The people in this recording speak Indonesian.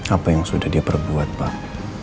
apa yang sudah dia perbuat pak